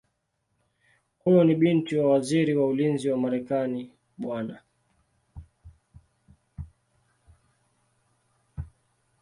Huyu ni binti wa Waziri wa Ulinzi wa Marekani Bw.